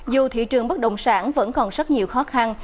dù thị trường bất động sản vẫn còn rất nhiều khó khăn